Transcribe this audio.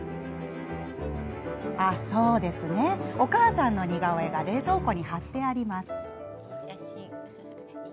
ああそうですね、お母さんの似顔絵が冷蔵庫に貼ってあります。